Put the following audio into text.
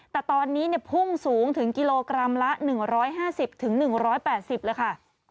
แต่ตอนนี้เนี่ยพุ่งสูงถึงกิโลกรัมละหนึ่งร้อยห้าสิบถึงหนึ่งร้อยแปดสิบเลยค่ะ